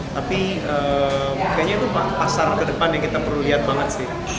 tapi kayaknya lupa pasar ke depan yang kita perlu lihat banget sih